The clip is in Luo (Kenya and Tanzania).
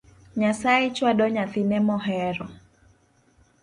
Nyasaye chwado nyathine mohero